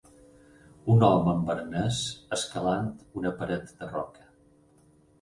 un home amb arnès escalant una paret de roca